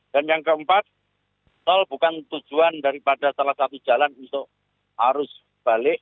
dan yang keempat tol bukan tujuan daripada salah satu jalan untuk arus balik